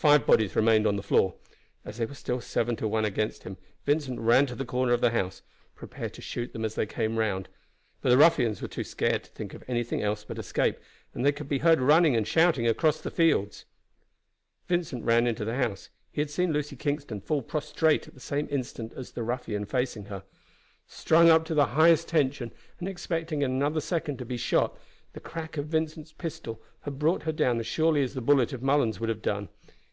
Five bodies remained on the floor. As they were still seven to one against him, Vincent ran to the corner of the house, prepared to shoot them as they came round; but the ruffians were too scared to think of anything but escape, and they could be heard running and shouting across the fields. Vincent ran into the house. He had seen Lucy Kingston fall prostrate at the same instant as the ruffian facing her. Strung up to the highest tension, and expecting in another second to be shot, the crack of Vincent's pistol had brought her down as surely as the bullet of Mullens would have done.